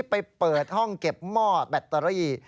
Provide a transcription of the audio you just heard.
ไปเปิดห้องเก็บหม้อแบตเตอรี่